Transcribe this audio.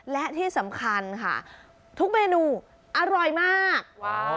และที่สำคัญค่ะทุกเมนูอร่อยมาก